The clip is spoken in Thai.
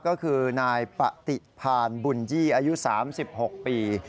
ก็คือนายปฏิพานบุญยี่อายุ๓๖ปี